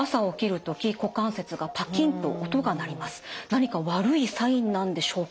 「何か悪いサインなんでしょうか？」